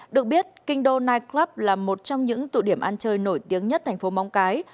được biết kinh đô nightclub là một trong những tụ điểm ăn chơi nổi tiếng nhất thành phố móng cái